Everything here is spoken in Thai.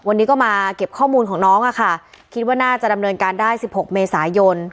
วันนี้ก็มาเก็บข้อมูลของน้องอะค่ะคิดว่าน่าจะดำเนินการได้สิบหกเมษายน